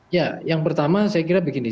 ya yang pertama saya kira begini